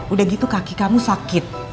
udah gitu kaki kamu sakit